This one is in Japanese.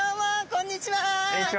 こんにちは。